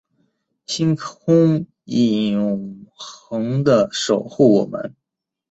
星空永恒的守护我们